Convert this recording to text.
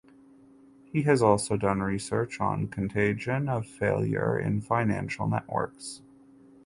He has also done research on contagion of failure in financial networks.